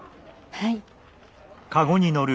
はい。